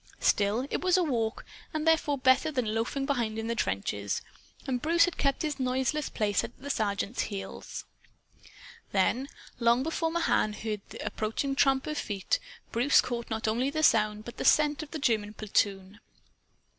Still, it was a walk, and therefore better than loafing behind in the trenches. And Bruce had kept his noiseless place at the Sergeant's heels. Then long before Mahan heard the approaching tramp of feet Bruce caught not only the sound but the scent of the German platoon.